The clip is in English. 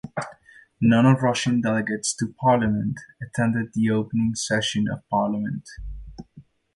None of Russian delegates to Parliament attended the opening session of parliament.